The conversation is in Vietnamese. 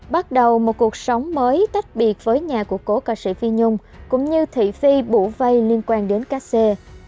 bắt đầu một cuộc sống mới tách biệt với nhà của cổ ca sĩ phi nhung cũng như thị phi bụ vây liên quan đến ca sê